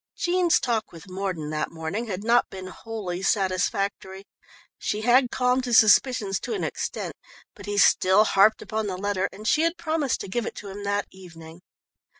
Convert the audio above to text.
Jean's talk with Mordon that morning had not been wholly satisfactory. She had calmed his suspicions to an extent, but he still harped upon the letter, and she had promised to give it to him that evening.